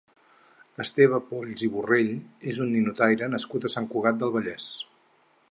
Esteve Polls i Borrell és un ninotaire nascut a Sant Cugat del Vallès.